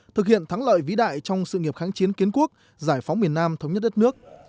thực hiện thắng lợi vĩ đại trong sự nghiệp kháng chiến kiến quốc giải phóng miền nam thống nhất đất nước